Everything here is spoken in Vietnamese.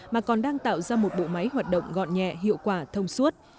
mà còn đang tạo ra một bộ máy hoạt động gọn nhẹ hiệu quả thông suốt